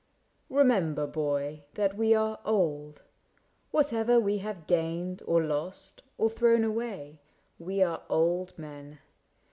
Remember, boy. That we are old. Whatever we have gained. Or lost, or thrown away, we are old men.